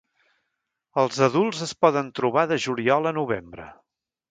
Els adults es poden trobar de juliol a novembre.